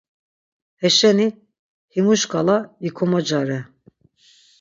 Heşeni himu şǩala vikomocare.